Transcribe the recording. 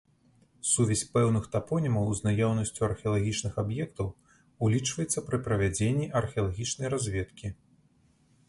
Сувязь пэўных тапонімаў з наяўнасцю археалагічных аб'ектаў улічваецца пры правядзенні археалагічнай разведкі.